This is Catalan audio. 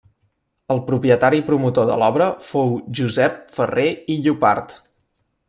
El propietari promotor de l'obra fou Josep Ferrer i Llopart.